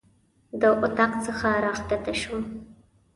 د اطاق څخه راکښته شوم.